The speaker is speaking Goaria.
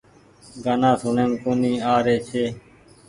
گآنا سوڻيم ڪونيٚ آ رو ڇي